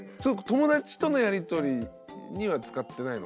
友達とのやりとりには使ってないのか。